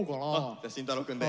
じゃあ慎太郎くんで。